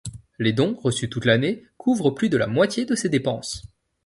Les dons, reçus toute l'année, couvrent plus de la moitié de ses dépenses.